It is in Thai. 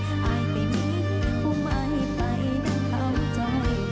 อายไปมีหุ้มอายไปนั้นเข้าใจ